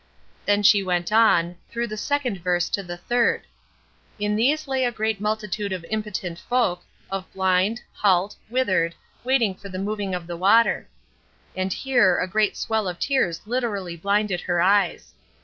Then she went on, through the second verse to the third. "'In these lay a great multitude of impotent folk, of blind, halt, withered, waiting for the moving of the water,'" and here a great swell of tears literally blinded her eyes.